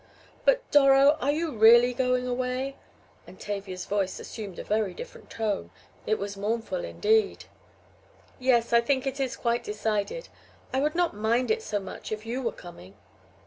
"But, Doro, are you really going away?" and Tavia's voice assumed a very different tone it was mournful indeed. "Yes, I think it is quite decided. I would not mind it so much if you were coming."